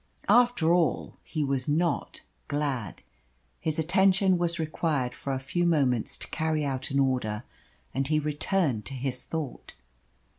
After all he was not glad. His attention was required for a few moments to carry out an order, and he returned to his thought.